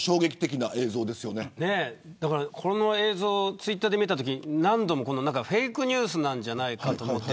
ツイッターで見たときにフェイクニュースなんじゃないかと思って。